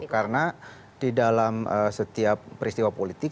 karena di dalam setiap peristiwa politik